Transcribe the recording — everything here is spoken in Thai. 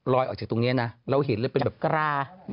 ออกจากตรงนี้นะเราเห็นเลยเป็นแบบกรา